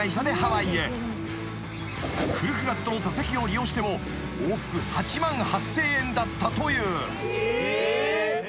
［フルフラットの座席を利用しても往復８万８，０００円だったという］